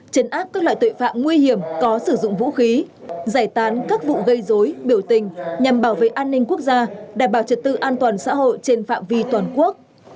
chấn áp các loại tội phạm nguy hiểm có sử dụng vũ khí giải tán các vụ gây dối biểu tình nhằm bảo vệ an ninh quốc gia đảm bảo trật tự an toàn xã hội trên phạm vi toàn quốc